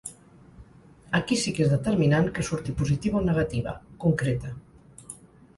Aquí sí que és determinant que surti positiva o negativa, concreta.